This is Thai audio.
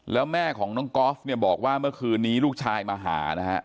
แล้วแม่ของน้องกอล์ฟเนี่ยบอกว่าเมื่อคืนนี้ลูกชายมาหานะฮะ